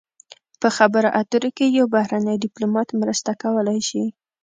په خبرو اترو کې یو بهرنی ډیپلومات مرسته کولی شي